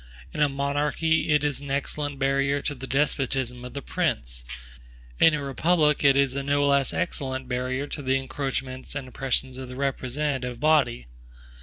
In a monarchy it is an excellent barrier to the despotism of the prince; in a republic it is a no less excellent barrier to the encroachments and oppressions of the representative body.